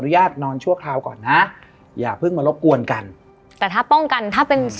อย่านอน